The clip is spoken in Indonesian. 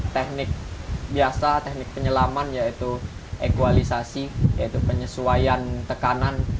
teknik biasa teknik penyelaman yaitu ekualisasi yaitu penyesuaian tekanan